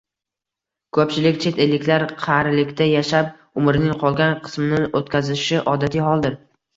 Ko'pchilik chet elliklar qarilikda yashab, umrining qolgan qismini o'tkazishi odatiy holdir